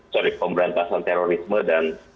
sorry pemberantasan terorisme dan upaya diradikasi